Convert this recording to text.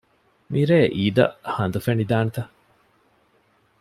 މިރޭ އީދަށް ހަނދު ފެނިދާނެތަ؟